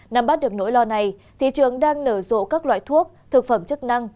năm bắt được nỗi lo này thị trường đang nở rộ các loại thuốc thực phẩm chức năng